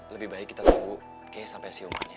lebih baik kita tunggu kay sampai si umar ya